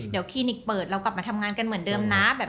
เดี๋ยวคลินิกเปิดเรากลับมาทำงานกันเหมือนเดิมนะ